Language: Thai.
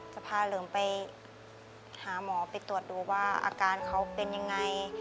จะพาเหลิมไปหาหมอไปตรวจดูว่าอาการเขาเป็นยังไง